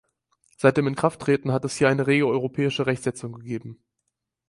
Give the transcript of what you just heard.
Seit dem Inkrafttreten hat es hier eine rege europäische Rechtssetzung gegeben.